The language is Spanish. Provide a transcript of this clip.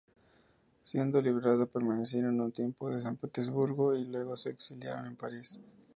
Siendo liberado, permanecieron un tiempo en San Petersburgo y luego se exiliaron en París.